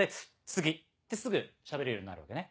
次ってすぐ喋れるようになるわけね。